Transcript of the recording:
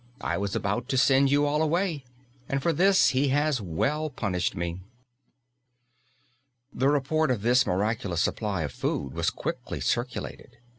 I was about to send you all away, and for this He has well punished me!" The report of this miraculous supply of food was quickly circulated.